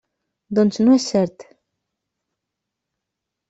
Doncs no és cert.